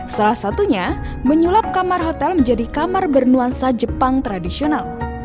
salah satunya menyulap kamar hotel menjadi kamar bernuansa jepang tradisional